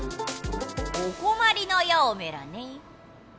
おこまりのようメラね？